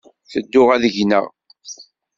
Tedduɣ ad gneɣ.